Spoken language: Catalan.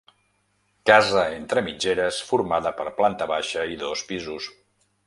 Casa entre mitgeres formada per planta baixa i dos pisos.